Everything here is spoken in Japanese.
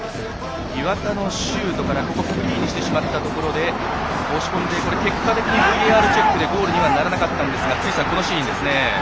岩田のシュートからフリーにしてしまったところで押し込んで結果的にＶＡＲチェックでゴールにはならなかったんですが福西さん、このシーンですね。